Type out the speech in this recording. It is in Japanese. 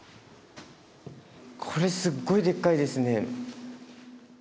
これすっごいでっかいですね。